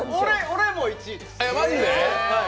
俺も１位です。